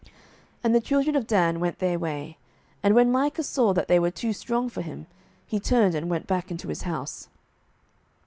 07:018:026 And the children of Dan went their way: and when Micah saw that they were too strong for him, he turned and went back unto his house.